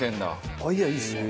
アイデアいいですね。